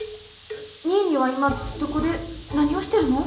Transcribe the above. ニーニーは今どこで何をしてるの？